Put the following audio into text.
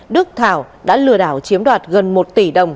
đức thảo đã lửa đảo chiếm đạt gần một tỷ đồng